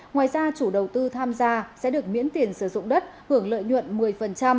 ngoài ra chủ đầu tư tham gia sẽ được miễn tiền sử dụng đất hưởng lợi nhuận một mươi